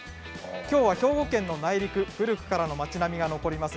きょうは兵庫県の内陸古くからの町並みが残ります